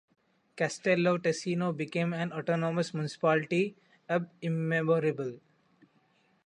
Castello Tesino became an autonomous municipality “ab immemorabili”.